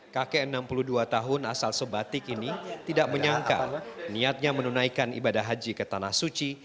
kakek enam puluh dua tahun asal sebatik ini tidak menyangka niatnya menunaikan ibadah haji ke tanah suci